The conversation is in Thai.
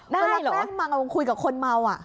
ได้เหรอเวลาแม่งมังคุยกับคนเมา